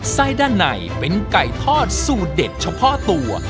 ไส้ด้านในเป็นไก่ทอดสูตรเด็ดเฉพาะตัว